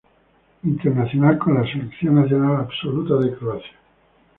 Internacional con la Selección Nacional Absoluta de Croacia.